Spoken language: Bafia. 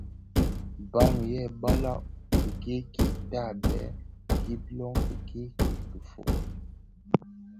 Bàng yêê balag kikèèkel tààbêê, gib lóng kikèèkel kifôg.